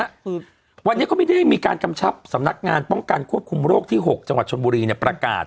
คือวันนี้เขาไม่ได้มีการกำชับสำนักงานป้องกันควบคุมโรคที่หกจังหวัดชนบุรีเนี่ยประกาศ